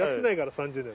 「３０年」。